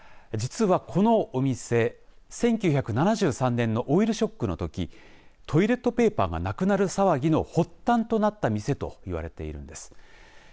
実はこのお店１９７３年のオイルショックのときトイレットペーパーがなくなる騒ぎの発端となった店といわれているんです。